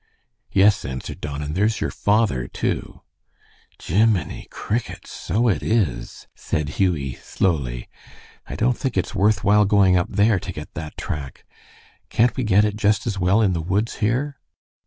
"Yes," answered Don, "and there's your father, too." "Gimmini crickets! so it is," said Hughie, slowly. "I don't think it's worth while going up there to get that track. Can't we get it just as well in the woods here?"